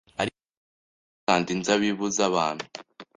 Ariko muri vino kanda inzabibu zabantu